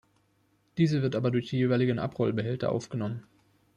Diese wird aber durch die jeweiligen Abrollbehälter aufgenommen.